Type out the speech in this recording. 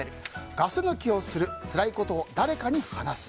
ガス抜きをするつらいことを誰かに話す。